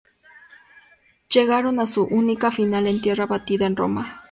Llegaron a su única final en tierra batida en Roma.